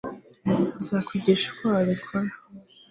nzakwigisha uko wabikora